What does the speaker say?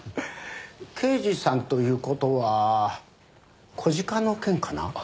刑事さんという事は小鹿の件かな？